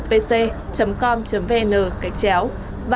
cạch chéo cạch chéo lịchcắtdien com vn